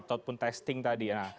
ataupun testing tadi